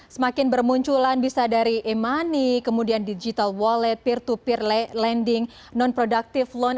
semakin bermunculan bisa dari e money kemudian digital wallet peer to peer lending non productive loan